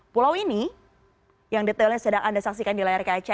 pulau ini yang detailnya sedang anda saksikan di layar kaca